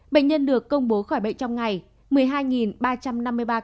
bệnh nhân được công bố khỏi bệnh trong ngày một mươi hai ba trăm năm mươi ba ca